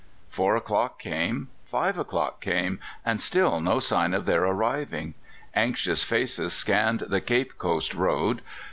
Four o'clock came, five o'clock came, and still no sign of their arriving. Anxious faces scanned the Cape Coast road.